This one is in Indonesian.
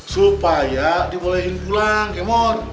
supaya dibolehin pulang kemot